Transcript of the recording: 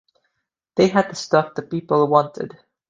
They had the stuff the people wanted.